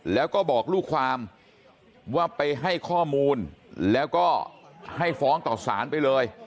แล้วก็บอกลูกความว่าไปให้ข้อมูลแล้วก็ให้ฟ้องต่อสารไปเลย